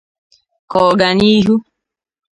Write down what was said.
ka ọ̀gànihu